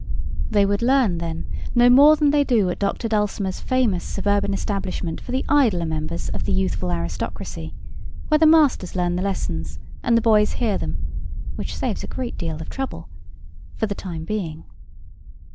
They would learn, then, no more than they do at Dr. Dulcimer's famous suburban establishment for the idler members of the youthful aristocracy, where the masters learn the lessons and the boys hear them—which saves a great deal of trouble—for the time being.